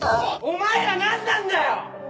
お前らなんなんだよ！？